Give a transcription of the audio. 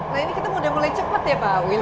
nah ini kita sudah mulai cepat ya pak will